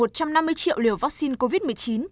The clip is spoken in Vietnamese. một trăm năm mươi triệu liều vaccine covid một mươi chín